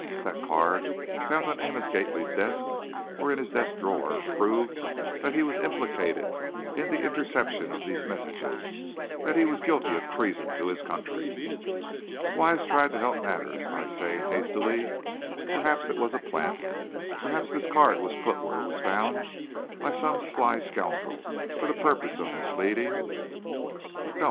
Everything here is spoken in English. That card, found on Amos Gately's desk, or in his desk drawer, proved that he was implicated in the interception of these messages, that he was guilty of treason to his country! Wise tried to help matters by saying, hastily, "Perhaps it was a plant! Perhaps this card was put where it was found by some sly scoundrel for the purpose of misleading " "Don't!"